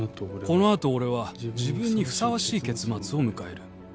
「この後俺は自分にふさわしい結末を迎える」